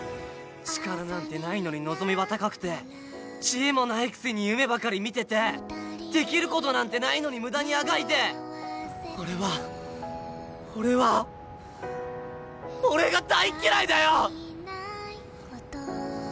力なんてないのに望みは高くて知恵もないくせに夢ばかり見ててできることなんてないのにムダにあがいて俺は俺は俺が大嫌いだよ！